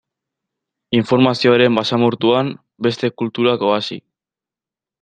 Informazioaren basamortuan, beste kulturak oasi.